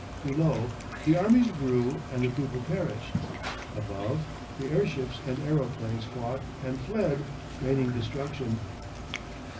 Below, the armies grew and the people perished; above, the airships and aeroplanes fought and fled, raining destruction.